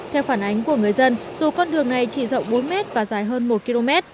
theo phản ánh của người dân dù con đường này chỉ rộng bốn m và dài hơn một km